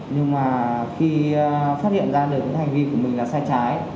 nhưng mà khi phát hiện ra được hành vi của mình là xa trái